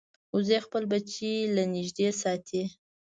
وزې خپل بچي له نږدې ساتي